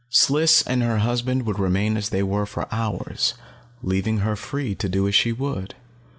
Sliss and her husband would remain as they were for hours, leaving her free to do as she would.